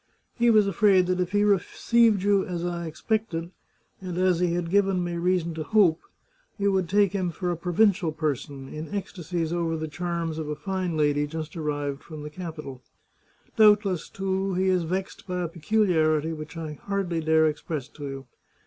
He was afraid that if he received you as I expected, and as he had given me reason to hope, you would take him for a provincial per son, in ecstasies over the charms of a fine lady just arrived from the capital. Doubtless, too, he is vexed by a pecu liarity which I hardly dare express to you.